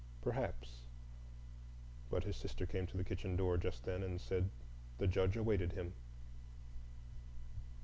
Perhaps,—but his sister came to the kitchen door just then and said the Judge awaited him.